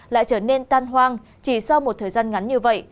lại trở nên tan hoang chỉ sau một thời gian ngắn như vậy